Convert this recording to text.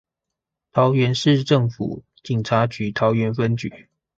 桃園市政府警察局桃園分局